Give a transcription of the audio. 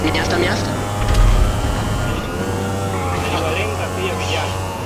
boti za uokoaji zilichukua abiria elfu moja mia moja sabini na nane